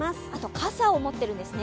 傘を持っているんですね。